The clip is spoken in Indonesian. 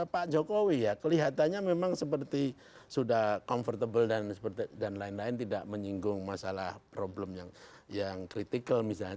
pak jokowi ya kelihatannya memang seperti sudah comfortable dan lain lain tidak menyinggung masalah problem yang kritikal misalnya